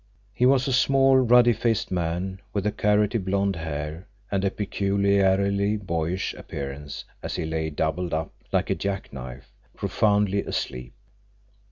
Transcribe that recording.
He was a small, ruddy faced man with carroty blond hair and a peculiarly boyish appearance as he lay doubled up like a jack knife, profoundly asleep.